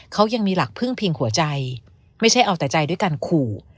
เขายังมีหลักพึ่งพิงหัวใจไม่ใช่เอาแต่ใจด้วยการขู่